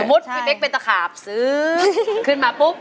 สมมุติพี่เป๊กเป็นตะขาบซึ้งขึ้นมาปุ๊บ